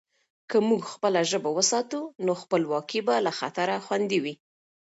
که موږ خپله ژبه وساتو، نو خپلواکي به له خطره خوندي وي.